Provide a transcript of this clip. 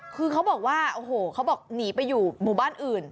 คือเขาบอกว่าโอ้โหเขาบอกหนีไปอยู่หมู่บ้านอื่น